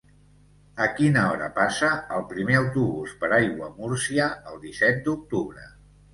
A quina hora passa el primer autobús per Aiguamúrcia el disset d'octubre?